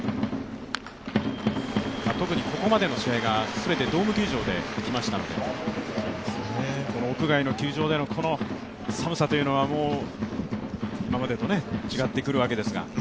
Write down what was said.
特にここまでの試合が全てドーム球場できましたので、屋外の球場でのこの寒さというのは今までと違ってくるわけですが。